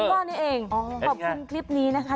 คุณพ่อเนี่ยเองขอบคุณคลิปนี้นะคะ